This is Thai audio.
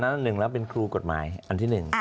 อันนั้นหนึ่งแล้วเป็นครูกฎหมายอันที่หนึ่ง